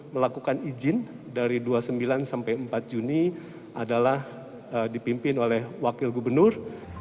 melakukan izin dari dua puluh sembilan sampai empat juni adalah dipimpin oleh wakil gubernur